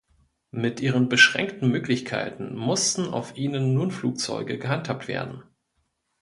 Mit ihren beschränkten Möglichkeiten mussten auf ihnen nun Flugzeuge gehandhabt werden.